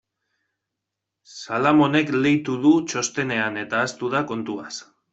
Salamonek leitu du txostenean eta ahaztu da kontuaz.